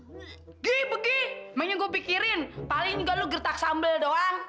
pergi pergi emangnya gua pikirin paling juga lu gertak sambel doang